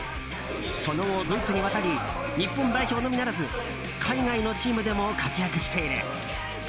その後、ドイツにわたり日本代表のみならず海外のチームでも活躍している。